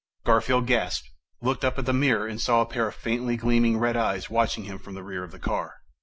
Garfield gasped, looked up at the mirror and saw a pair of faintly gleaming red eyes watching him from the rear of the car.